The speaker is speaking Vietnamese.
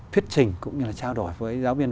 thuyết trình cũng như là trao đổi với giáo viên